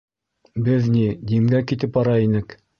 — Беҙ ни, Димгә китеп бара инек...